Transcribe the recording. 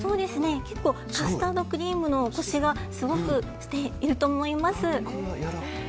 カスタードクリームのコシがすごくあると思います。